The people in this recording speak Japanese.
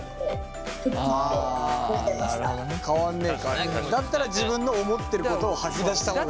でこのままだったら自分の思ってることを吐き出した方がいい。